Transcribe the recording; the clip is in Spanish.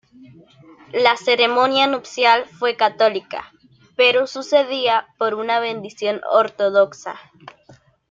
La ceremonia nupcial fue católica pero sucedida por una bendición ortodoxa.